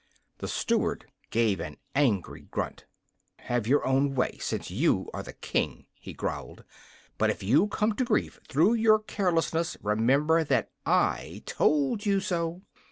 The Steward gave an angry grunt. "Have your own way, since you are the King," he growled. "But if you come to grief through your carelessness, remember that I told you so.